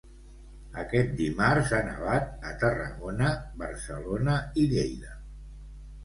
Aquest dimarts ha nevat a Tarragona, Barcelona i Lleida.